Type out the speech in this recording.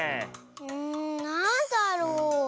んなんだろう。